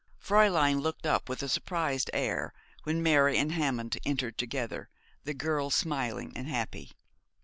Fräulein looked up with a surprised air when Mary and Hammond entered together, the girl smiling and happy.